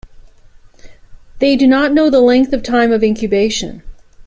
They do not know the length of time of incubation.